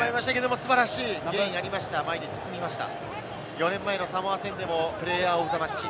４年前のサモア戦でもプレーヤー・オブ・ザ・マッチ。